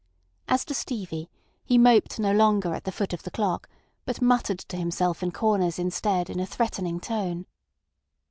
As to Stevie, he moped no longer at the foot of the clock, but muttered to himself in corners instead in a threatening tone.